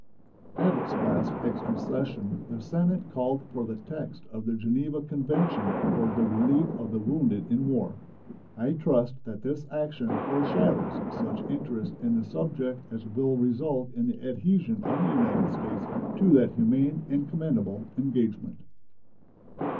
At its last extra session the Senate called for the text of the Geneva convention for the relief of the wounded in war. I trust that this action foreshadows such interest in the subject as will result in the adhesion of the United States to that humane and commendable engagement.